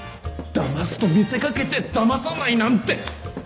だますと見せ掛けてだまさないなんて。